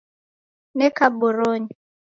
Neka boronyi